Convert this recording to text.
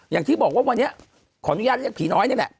อย่างที่บอกว่าวันนี้ขออนุญาตเรียกผีน้อยนี่แหละ